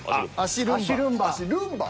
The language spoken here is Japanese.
足ルンバ。